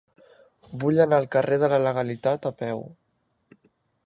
Vull anar al carrer de la Legalitat a peu.